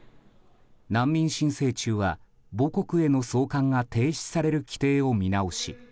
難民申請中は母国への送還が停止される規定をみなし